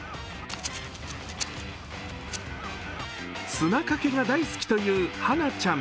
砂かけが大好きというはなちゃん。